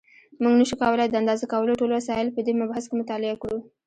مونږ نشو کولای د اندازه کولو ټول وسایل په دې مبحث کې مطالعه کړو.